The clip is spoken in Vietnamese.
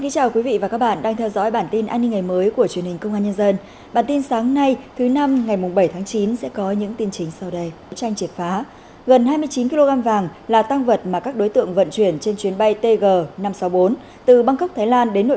các bạn hãy đăng ký kênh để ủng hộ kênh của chúng mình nhé